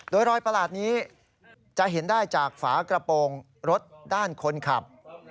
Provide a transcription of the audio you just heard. โดยรอยประหลาดนี้จะเห็นได้จากฝากระโปรงรถด้านคนขับ